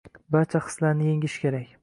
Barcha hislarni yengish kerak.